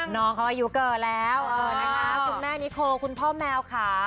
น้องเขาอายุเกินแล้วนะคะคุณแม่นิโคคุณพ่อแมวค่ะ